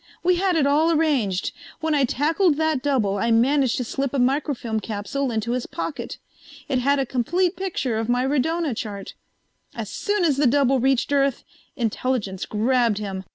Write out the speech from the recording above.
"We had it all arranged. When I tackled that double I managed to slip a microfilm capsule into his pocket. It had a complete picture of my radona chart. As soon as the double reached Earth, Intelligence grabbed him.